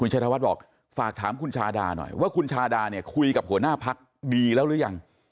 ชัยธวัฒน์บอกฝากถามคุณชาดาหน่อยว่าคุณชาดาเนี่ยคุยกับหัวหน้าพักดีแล้วหรือยัง